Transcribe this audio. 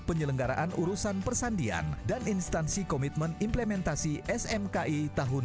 penyelenggaraan urusan persandian dan instansi komitmen implementasi smki tahun dua ribu dua puluh